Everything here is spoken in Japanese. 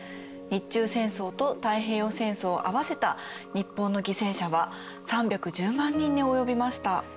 日中戦争と太平洋戦争を合わせた日本の犠牲者は３１０万人に及びました。